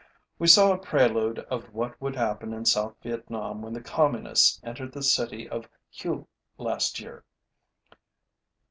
We saw a prelude of what would happen in South Vietnam when the Communists entered the city of Hue last year.